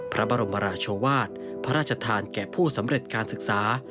พระบรมราชวาสพระราชทานแก่ผู้สำเร็จการศึกษา